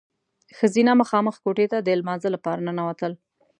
ښځینه مخامخ کوټې ته د لمانځه لپاره ننوتل.